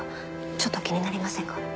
ちょっと気になりませんか？